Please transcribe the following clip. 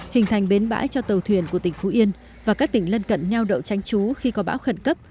hình thành bến bãi cho tàu thuyền của tỉnh phú yên và các tỉnh lân cận nheo đậu tranh trú khi có bão khẩn cấp